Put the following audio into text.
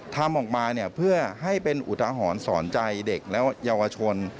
ทำออกมาเนี่ยเพื่อให้เป็นอุทหรณ์สอนใจเด็กและเยาวชน